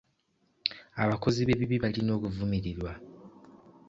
Abakozi b'ebibi balina okuvumirirwa.